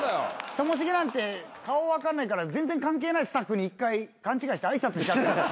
ともしげなんて顔分かんないから全然関係ないスタッフに１回勘違いして挨拶しちゃった。